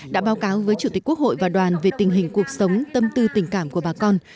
đã báo cáo với chủ tịch quốc hội và đoàn về tình hình cuộc sống tâm tư tình cảm của bà con